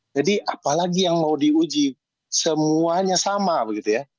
jadi apalagi yang mau diuji semuanya sama begitu ya